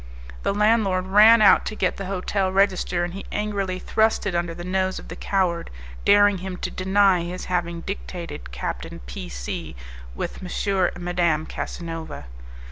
The landlord ran out to get the hotel register, and he angrily thrust it under the nose of the coward, daring him to deny his having dictated: Captain P C , with M. and Madame Casanova.